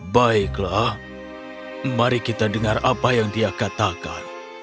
baiklah mari kita dengar apa yang dia katakan